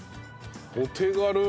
お手軽！